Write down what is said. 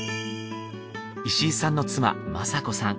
石井さんの妻方子さん。